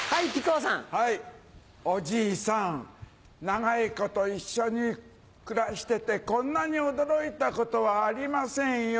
長いこと一緒に暮らしててこんなに驚いたことはありませんよ。